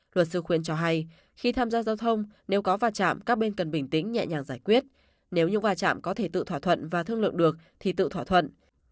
luật sư khuyên cho hay khi tham gia giao thông nếu có va chạm các bên cần bình tĩnh nhẹ nhàng giải quyết nếu những va chạm có thể tự thỏa thuận và thương lượng được thì tự thỏa thuận